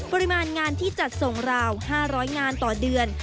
ปริมาณงานที่จัดส่งราว๕๐๐งานต่อเดือน